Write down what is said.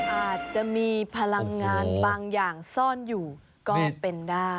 อาจจะมีพลังงานบางอย่างซ่อนอยู่ก็เป็นได้